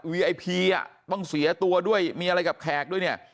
ไอพีอ่ะต้องเสียตัวด้วยมีอะไรกับแขกด้วยเนี่ย